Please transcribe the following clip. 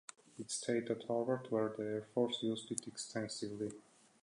It stayed at Harvard, where the Air Force used it extensively.